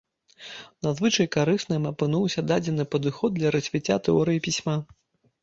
Надзвычай карысным апынуўся дадзены падыход для развіцця тэорыі пісьма.